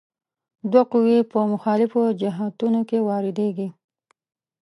دوه قوې په مخالفو جهتونو کې واردیږي.